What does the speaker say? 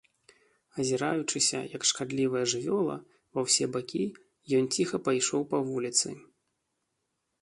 Азіраючыся, як шкадлівая жывёла, ва ўсе бакі, ён ціха пайшоў па вуліцы.